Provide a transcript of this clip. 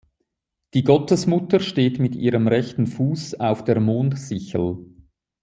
Die Gottesmutter steht mit ihrem rechten Fuß auf der Mondsichel.